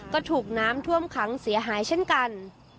ก็ถูกน้ำท่วมขังเสียหายเช่นกัน